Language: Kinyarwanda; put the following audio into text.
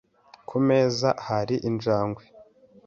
Ku meza hari injangwe?